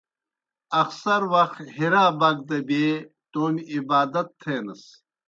اخسر وخ حرا بَک دہ بیے تومیْ عبادت تھینَس۔